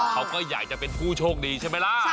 เขาก็อยากจะเป็นผู้โชคดีใช่ไหมล่ะ